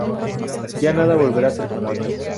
Ya nada volverá a ser como antes.